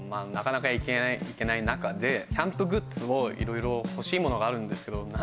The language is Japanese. なかなか行けない中で、キャンプグッズでいろいろ欲しいものがあるんですけど。